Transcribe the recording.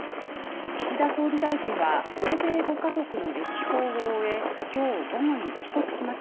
岸田総理大臣は欧米５カ国の歴訪を終え今日午後に帰国します。